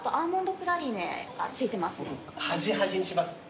僕端端にします。